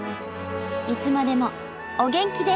いつまでもお元気で！